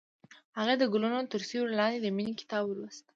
هغې د ګلونه تر سیوري لاندې د مینې کتاب ولوست.